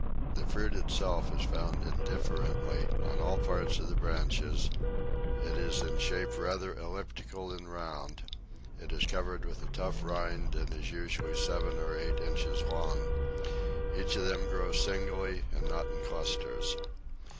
The fruit itself is found indifferently on all parts of the branches; it is in shape rather elliptical than round; it is covered with a tough rind and is usually seven or eight inches long; each of them grows singly and not in clusters.